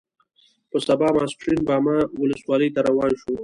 په سبا ماسپښین باما ولسوالۍ ته روان شوو.